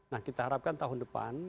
nah kita harapkan tahun depan